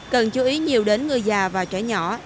cần chú ý nhiều đến người già và trẻ nhỏ